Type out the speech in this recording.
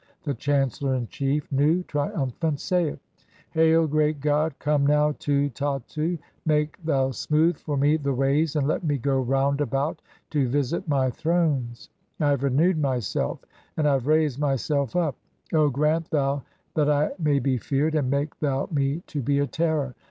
The chancellor in chief, Nu, triumphant, saith :— "Hail, Great God, come now (2) to Tattu ! Make thou smooth "for me the ways and let me go round about [to visit] my "thrones; I have renewed (?) myself, and I have raised myself up. "O grant thou that I may be feared, (3) and make thou me to "be a terror.